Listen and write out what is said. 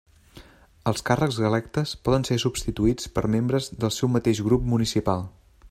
Els càrrecs electes poden ser substituïts per membres del seu mateix grup municipal.